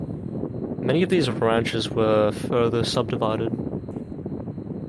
Many of these ranches were further subdivided.